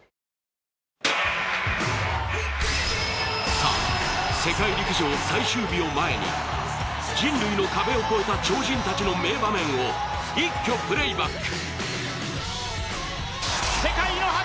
さあ、世界陸上最終日を前に人類の壁を超えた超人たちの名場面を一挙プレイバック！